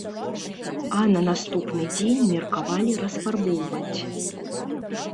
А на наступны дзень меркавалі расфарбоўваць.